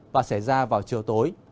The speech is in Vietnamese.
và xảy ra vào chiều tối